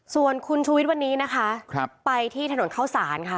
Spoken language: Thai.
ส่วนคุณชูวิทย์วันนี้นะคะไปที่ถนนเข้าศาลค่ะ